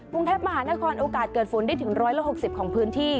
กรุงเทพมหานครโอกาสเกิดฝนได้ถึง๑๖๐ของพื้นที่